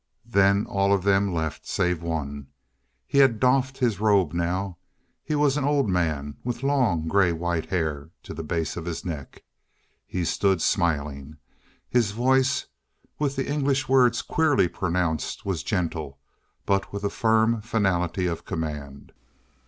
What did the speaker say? Then all of them left, save one. He had doffed his robe now. He was an old man, with long grey white hair to the base of his neck. He stood smiling. His voice, with the English words queerly pronounced, was gentle, but with a firm finality of command.